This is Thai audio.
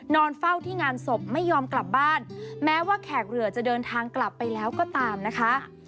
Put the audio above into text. นอนเฝ้าที่งานศพไม่ยอมกลับบ้านแม้ว่าแขกเรือจะเดินทางกลับไปแล้วก็ตามนะคะ